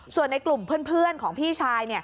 ส่วนในกลุ่มเพื่อนของพี่ชาย